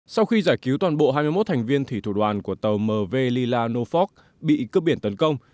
sau khi giải cứu toàn bộ hai mươi một thành viên thủy thủ đoàn của tàu mv lila nofox bị cướp biển tấn công